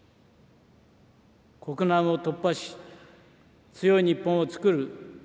国難を突破し、強い日本をつくる。